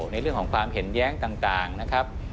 ในเรื่องของความเห็นแย้งต่างนะครับ